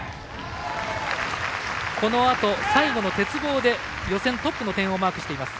このあと最後の鉄棒で予選トップの点をマークしてます。